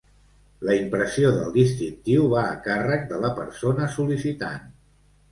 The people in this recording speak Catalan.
La impressió del distintiu va a càrrec de la persona sol·licitant.